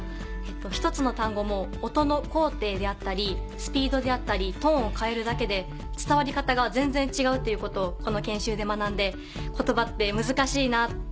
一つの単語も音の高低であったりスピードであったりトーンを変えるだけで伝わり方が全然違うということをこの研修で学んで言葉って難しいなと。